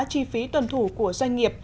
chi phí tuân thủ của doanh nghiệp